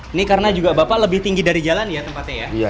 ini karena juga bapak lebih tinggi dari jalan ya tempatnya ya